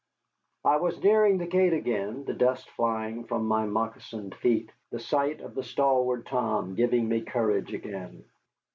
I was nearing the gate again, the dust flying from my moccasined feet, the sight of the stalwart Tom giving me courage again.